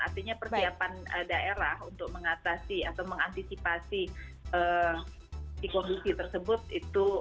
artinya persiapan daerah untuk mengatasi atau mengantisipasi kondisi tersebut itu